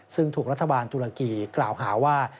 ซึ่งถูกรัฐบาลตุรกีกล่าวหาว่า